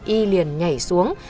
y liền nhảy xuống